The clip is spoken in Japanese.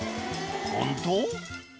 本当？